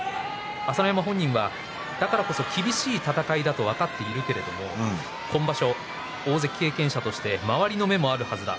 朝乃山本人がだからこその厳しい戦いと分かっているけれども今場所も大関経験者として周りの目もあるはずだ。